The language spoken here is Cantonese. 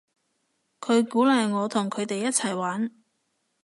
佢鼓勵我同佢哋一齊玩